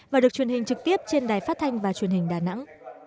và được truyền hình trực tiếp trên đài phát thanh và truyền hình đà nẵng